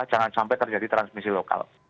jangan sampai terjadi transmisi lokal